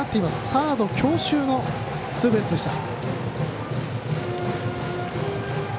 サード強襲のツーベースでした。